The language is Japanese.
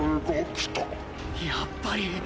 やっぱり！